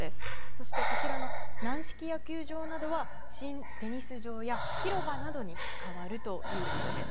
そして、軟式野球場などは新テニス場や広場などに変わるということです。